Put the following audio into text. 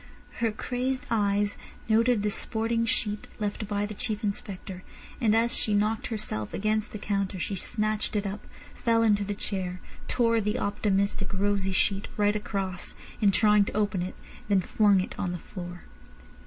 Her crazed eyes noted the sporting sheet left by the Chief Inspector, and as she knocked herself against the counter she snatched it up, fell into the chair, tore the optimistic, rosy sheet right across in trying to open it, then flung it on the floor.